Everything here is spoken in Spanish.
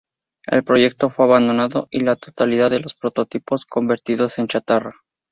El proyecto fue abandonado y la totalidad de los prototipos convertidos en chatarra.